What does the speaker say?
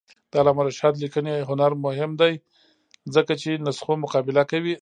د علامه رشاد لیکنی هنر مهم دی ځکه چې نسخو مقابله کوي.